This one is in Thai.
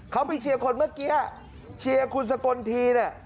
เขาไปเชียร์คนเมื่อกี้เชียร์คุณสกลทีเนี่ย